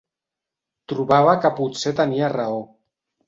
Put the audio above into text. Trobava que potser tenia raó.